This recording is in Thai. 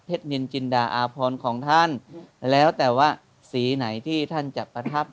นินจินดาอาพรของท่านแล้วแต่ว่าสีไหนที่ท่านจะประทับ